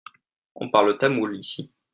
On parle tamoul ici.